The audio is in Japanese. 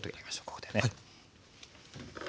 ここでね。